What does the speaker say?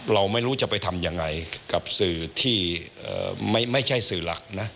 เราไม่รู้จะไปทำยังไงกับสื่อที่ไม่ใช่สื่อหลักนะ